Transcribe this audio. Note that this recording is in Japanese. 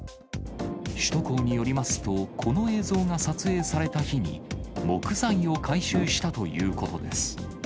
首都高によりますと、この映像が撮影された日に、木材を回収したということです。